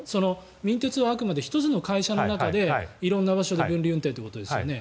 民鉄はあくまで１つの会社の中で色んな場所で分離運転ということですよね。